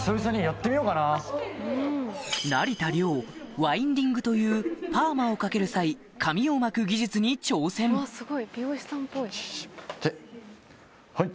成田凌ワインディングというパーマをかける際髪を巻く技術に挑戦はい。